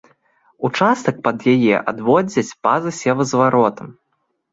Участак пад яе адводзяць па-за севазваротам.